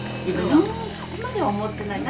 うーんそこまでは思っていない。